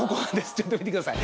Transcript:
ちょっと見てください。